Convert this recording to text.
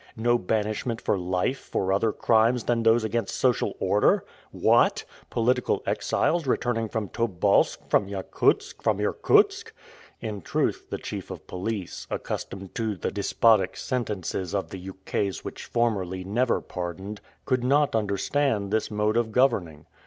no banishment for life for other crimes than those against social order! What! political exiles returning from Tobolsk, from Yakutsk, from Irkutsk! In truth, the chief of police, accustomed to the despotic sentences of the ukase which formerly never pardoned, could not understand this mode of governing.